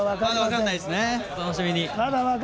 お楽しみに！